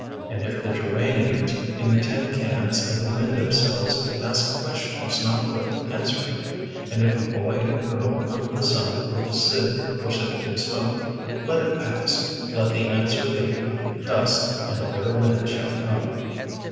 And if the geraniums In the tin cans of the window sills Ask questions not worth answering — And if a boy and a girl hunt the sun With a sieve for sifting smoke — Let it pass — let the answer be —" Dust and a bitter wind shall come."